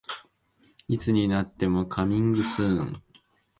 いつになってもカミングスーン